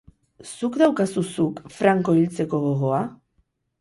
Zuk daukazu, zuk, Franco hiltzeko gogoa?